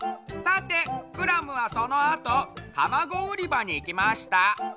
さてクラムはそのあとたまごうりばにいきました。